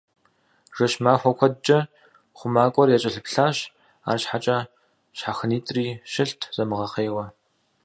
Жэщ-махуэ куэдкӏэ хъумакӏуэр якӏэлъыплъащ, арщхьэкӏэ щхьэхынитӏри щылът замыгъэхъейуэ.